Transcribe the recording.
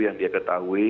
yang dia ketahui